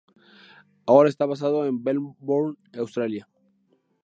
Ahora está basado en Melbourne, Australia.